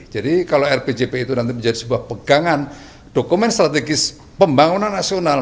jadi kalau rpjp itu nanti menjadi sebuah pegangan dokumen strategis pembangunan nasional